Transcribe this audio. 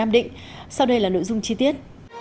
đây là nội dung chi tiết